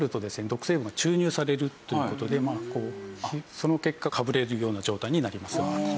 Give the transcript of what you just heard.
毒成分が注入されるという事でその結果かぶれるような状態になります。